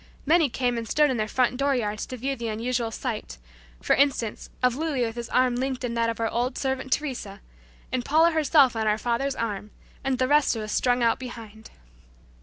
Many came and stood in their front door yards to view the unusual sight, for instance, of Louis with his arm linked in that of our old servant Teresa, and Paula herself on our father's arm, and the rest of us strung out behind.